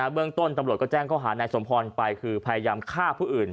เบื้องต้นตำรวจก็แจ้งข้อหานายสมพรไปคือพยายามฆ่าผู้อื่น